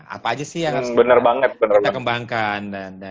apa aja sih yang harus kita kembangkan